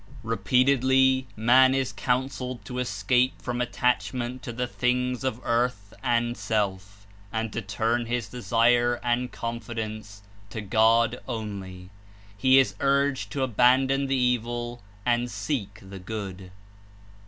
Repeatedly man is counseled to escape from at tachment to the things of earth and self, and to turn his desire and confidence to God only. He is urged to abandon the evil and seek the good.